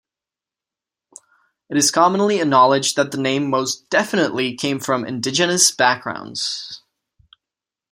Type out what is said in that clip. It is commonly acknowledged, that the name most definitely came from indigenous backgrounds.